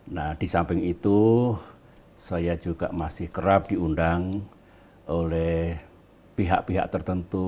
nah di samping itu saya juga masih kerap diundang oleh pihak pihak tertentu